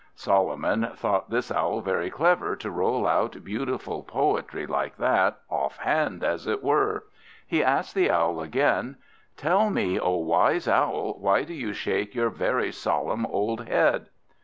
Solomon thought this Owl very clever to roll out beautiful poetry like that, off hand as it were. He asked the Owl again "Tell me, O wise Owl, why do you shake your very solemn old head?"